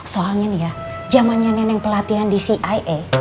soalnya nih ya zamannya neneng pelatihan di cia